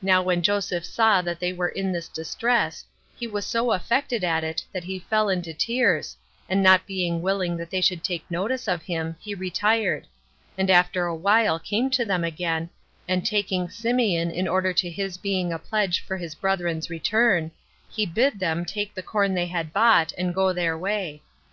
Now when Joseph saw that they were in this distress, he was so affected at it that he fell into tears, and not being willing that they should take notice of him, he retired; and after a while came to them again, and taking Symeon 6 in order to his being a pledge for his brethren's return, he bid them take the corn they had bought, and go their way.